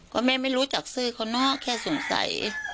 ก็แม่ไม่รู้จักชื่อเขาเนอะแค่สงสัย